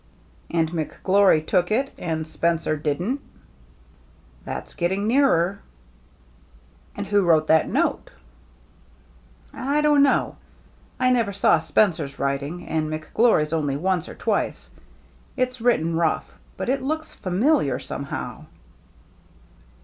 '* And McGlory took it and Spencer didn't ?"" That's getting near it." " And who wrote that note ?"" I don't know. I never saw Spencer's writing, and McGlory's only once or twice. It's written rough, but it looks familiar, somehow."